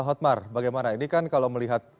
hotmar bagaimana ini kan kalau melihat